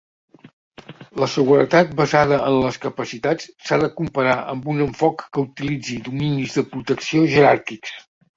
La seguretat basada en les capacitats s"ha de comparar amb un enfoc que utilitzi dominis de protecció jeràrquics.